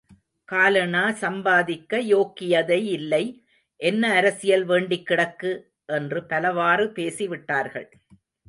காலணாசம்பாதிக்க யோக்யதை இல்லை, என்ன அரசியல் வேண்டிக் கிடக்கு? என்று பலவாறு பேசி விட்டார்கள்.